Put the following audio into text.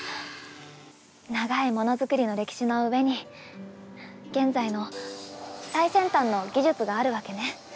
長い物作りの歴史の上に現在の最先端の技術があるわけね。